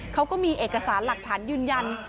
เขาก็มีเอกสารหลักฐานยืนยัน